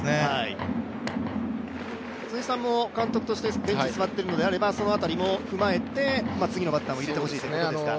辻さんも監督としてベンチに座っているのであればその辺りを踏まえて次のバッターを入れてほしいということですか。